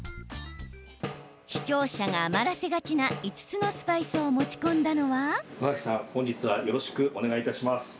視聴者が余らせがちな５つのスパイスを持ち込んだのは？